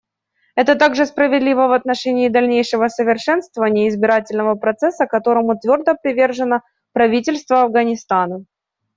Это также справедливо в отношении дальнейшего совершенствования избирательного процесса, которому твердо привержено правительство Афганистана.